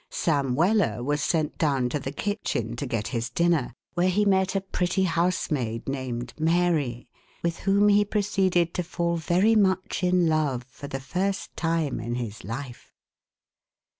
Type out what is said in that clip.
Sam Weller was sent down to the kitchen to get his dinner, where he met a pretty housemaid named Mary, with whom he proceeded to fall very much in love for the first time in his life.